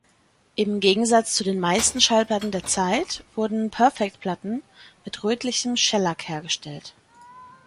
Im Gegensatz zu den meisten Schallplatten der Zeit wurden Perfect-Platten mit rötlichem Schellack hergestellt.